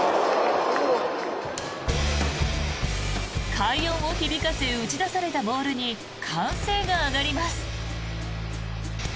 快音を響かせ打ち出されたボールに歓声が上がります。